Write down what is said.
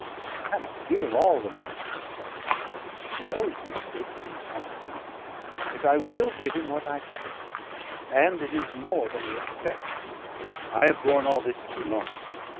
I cannot give him all the monstrous sum he asks; he knows the estate to be incompetent; but I will give him what I have, and it is more than he expects. I have borne all this too long.